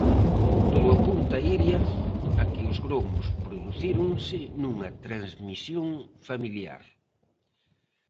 Todo apunta, Iria, a que os gromos producíronse nunha transmisión familiar.